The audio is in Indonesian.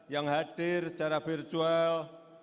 yang hadir secara virtual